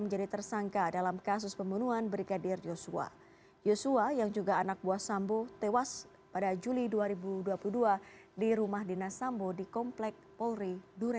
ia diangkat sebagai inspektur jeneral dengan jabatan kadif propampolri